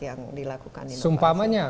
yang dilakukan inovasi sumpah amanya